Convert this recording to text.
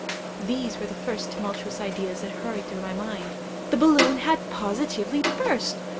These were the first tumultuous ideas that hurried through my mind: 'The balloon had positively burst!